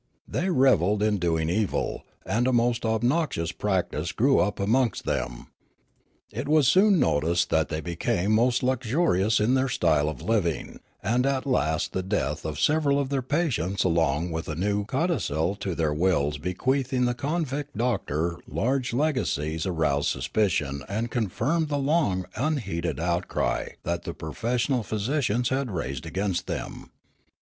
They revelled in doing evil, and a most obnoxious practice grew up amongst them. It was soon noticed that they became most luxurious in their style of living, and at last the death of several of their patients along with a new codicil to their wills bequeathing to the convict doctor large legacies aroused suspicion and confirmed the long unheeded outcry that the professional physicians had raised against them.